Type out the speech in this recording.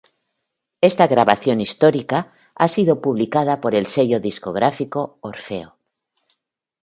Esta grabación histórica ha sido publicada por el sello discográfico Orfeo.